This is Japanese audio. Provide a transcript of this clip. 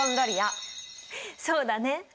そうだね。